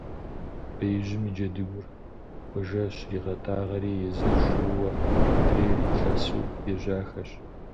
Беижьым и джэдыгур Хъуэжэ щригъэтӀагъэри, езыр шууэ, мыдрейр лъэсу ежьахэщ.